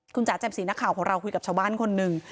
คุณจ๋าแจ่มสีนักข่าวของเราคุยกับชาวบ้านคนหนึ่ง